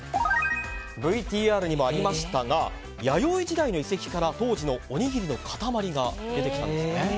ＶＴＲにもありましたが弥生時代の遺跡から当時のおにぎりの塊が出てきたんですね。